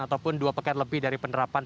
ataupun dua pekan lebih dari penerapan